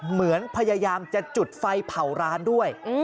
เหมือนพยายามจะจุดไฟเผาร้านด้วย